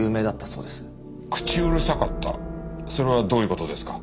それはどういう事ですか？